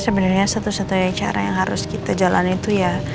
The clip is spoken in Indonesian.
sebenarnya satu satunya cara yang harus kita jalani itu ya